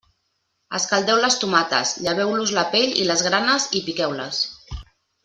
Escaldeu les tomates, lleveu-los la pell i les granes i piqueu-les.